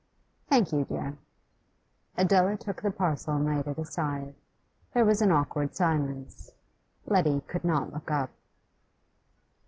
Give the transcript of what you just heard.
'Thank you, dear.' Adela took the parcel and laid it aside. There was an awkward silence. Letty could not look up.